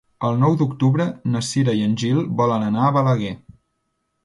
El nou d'octubre na Cira i en Gil volen anar a Balaguer.